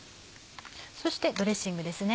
そしてドレッシングですね。